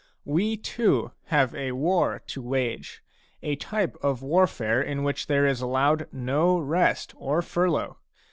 We too have a war to wage, a type of warfare in which there is allowed no rest or furlough.